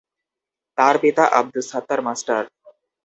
তার পিতা আব্দুস সাত্তার মাস্টার।